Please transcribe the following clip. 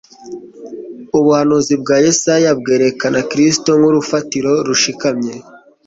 Ubuhanuzi bwa Yesaya bwerehana Kristo nk'urufatiro rushikamye